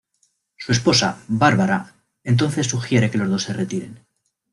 Su esposa, Barbara, entonces sugiere que los dos se retiren.